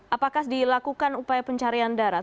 apakah dilakukan upaya pencarian darat